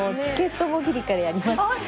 チケットもぎりからやります。